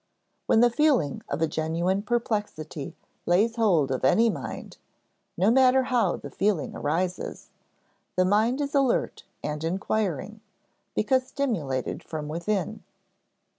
When the feeling of a genuine perplexity lays hold of any mind (no matter how the feeling arises), that mind is alert and inquiring, because stimulated from within.